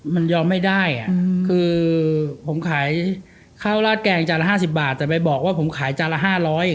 มันยอมไม่ได้คือผมขายข้าวราดแกงจานละ๕๐บาทแต่ไปบอกว่าผมขายจานละ๕๐๐บาท